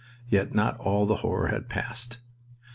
Yet not all the horror had passed.